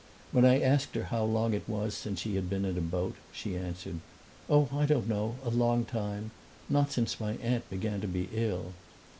When I asked her how long it was since she had been in a boat she answered, "Oh, I don't know; a long time not since my aunt began to be ill."